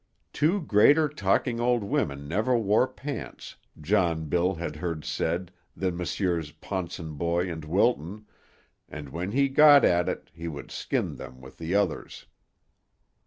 Two greater talking old women never wore pants, John Bill had heard said, than Messrs. Ponsonboy and Wilton, and when he got at it he would skin them with the others.